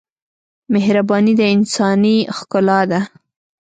مهرباني د انسانۍ ښکلا ده.